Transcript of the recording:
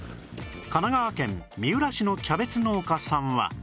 神奈川県三浦市のキャベツ農家さんは